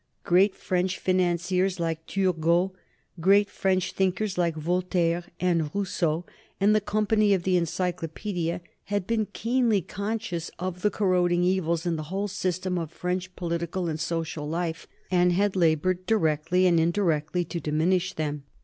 Great French financiers like Turgot, great French thinkers like Voltaire and Rousseau and the company of the "Encyclopaedia," had been keenly conscious of the corroding evils in the whole system of French political and social life, and had labored directly and indirectly to diminish them.